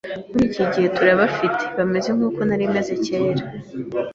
muri iki gihe turabafite bameze nkuko nari meze cyera